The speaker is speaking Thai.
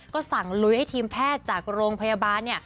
ก็สั่งลุยให้ทีมแพทย์จากโรงพยาบาลเนี่ย